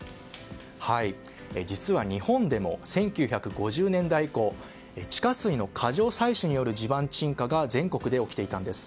実は、日本でも１９５０年代以降地下水の過剰採取による地盤沈下が全国で起きていたんです。